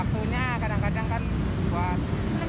waktunya kadang kadang kan buat mendarmadil